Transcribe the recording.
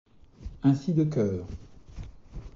Ainsi de Cœur,